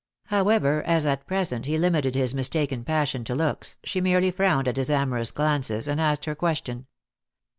However, as at present he limited his mistaken passion to looks, she merely frowned at his amorous glances, and asked her question.